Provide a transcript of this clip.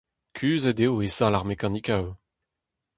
Kuzhet eo e sal ar mekanikoù.